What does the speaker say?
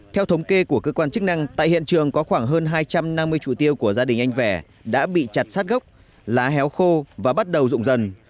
theo thống kê của cơ quan chức năng tại hiện trường có khoảng hơn hai trăm năm mươi trụ tiêu của gia đình anh vẻ đã bị chặt sát gốc lá héo khô và bắt đầu rụng dần